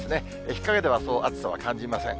日陰ではそう暑さは感じません。